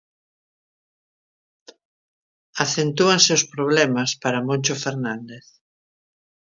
Acentúanse os problemas para Moncho Fernández.